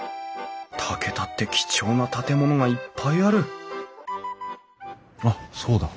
竹田って貴重な建物がいっぱいあるあっそうだ。